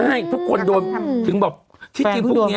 ใช่ทุกคนโดนถึงบอกที่ทีพุกเนี้ย